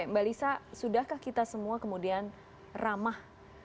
mbak lisa sudahkah kita semua kemudian ramah